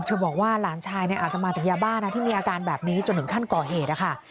บอกว่าหลานชายเนี่ยอาจจะมาจากยาบ้านะที่มีอาการแบบนี้จนถึงขั้นก่อเหตุนะคะ